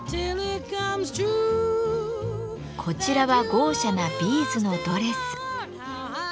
こちらは豪奢なビーズのドレス。